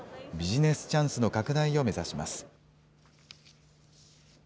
ビジネスチャンスの拡大を目指します。